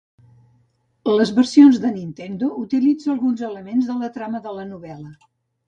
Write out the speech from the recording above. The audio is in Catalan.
Les versions de Nintendo utilitza alguns elements de la trama de la novel·la.